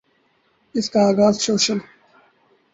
اس کا آغاز سوشل